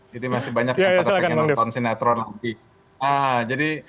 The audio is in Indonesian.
jadi masih banyak yang ingin nonton sinetron lagi